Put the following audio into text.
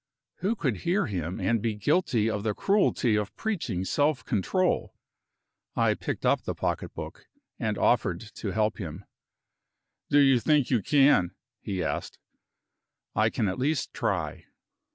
Who could hear him, and be guilty of the cruelty of preaching self control? I picked up the pocketbook, and offered to help him. "Do you think you can?" he asked. "I can at least try."